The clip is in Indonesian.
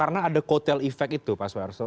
karena ada kotel effect itu pak suar